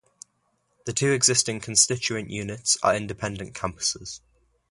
The two existing constituent units are independent campuses.